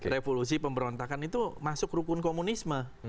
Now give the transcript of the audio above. revolusi pemberontakan itu masuk rukun komunisme